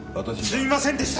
すいませんでした！